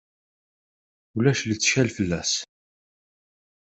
Ulac lettkal fell-as.